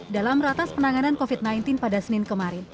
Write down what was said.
dalam ratas penanganan covid sembilan belas pada senin kemarin